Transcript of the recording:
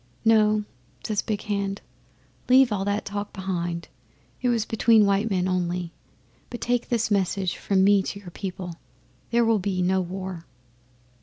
'"No," says Big Hand. "Leave all that talk behind it was between white men only but take this message from me to your people 'There will be no war.